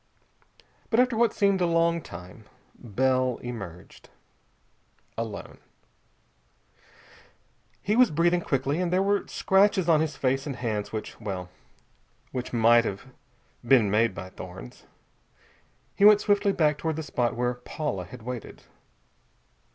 But after what seemed a long time, Bell emerged. Alone. He was breathing quickly, and there were scratches on his face and hands which well, which might have been made by thorns. He went swiftly back toward the spot where Paula had waited.